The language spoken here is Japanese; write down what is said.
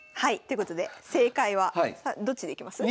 ということで正解はどっちでいきます？